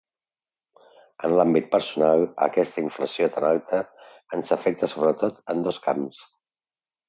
En l’àmbit personal, aquesta inflació tan alta ens afecta sobretot en dos camps.